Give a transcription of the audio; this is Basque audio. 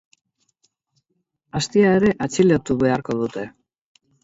Aztia ere atxilotu beharko dute.